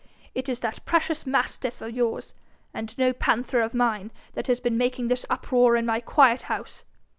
It is that precious mastiff of yours, and no panther of mine, that has been making this uproar in my quiet house!